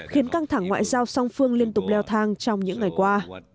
khiến căng thẳng ngoại giao song phương liên tục leo thang trong những ngày qua